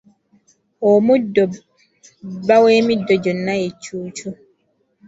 Omuddo bba w’emiddo gyonna ye cuucu.